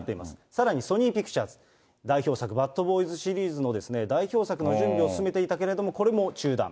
さらにソニー・ピクチャーズ、代表作、バッドボーイズシリーズの代表作の準備を進めていたけれども、これも中断。